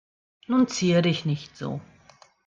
Nun zier dich nicht so.